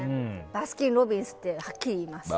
バスキンロビンスってはっきり言います。